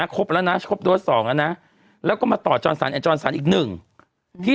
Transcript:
ครบแล้วนะครบตัวสองนะนะแล้วก็มาต่อจรสารอีก๑ที่